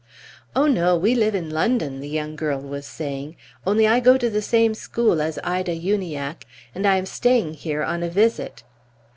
"Oh, no, we live in London," the young girl was saying; "only I go to the same school as Ida Uniacke, and I am staying here on a visit."